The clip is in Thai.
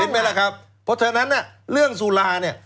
เห็นไหมล่ะครับเพราะฉะนั้นเรื่องสุราเนี่ย